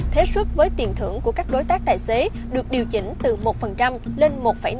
thế suất với tiền thưởng của các đối tác tài xế được điều chỉnh từ một lên một năm